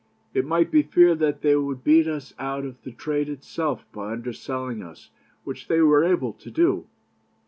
It might be feared that they would beat us out of the trade itself by underselling us, which they were able to do.'